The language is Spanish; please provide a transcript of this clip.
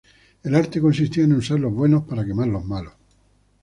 El arte consistía en usar los buenos para quemar los malos.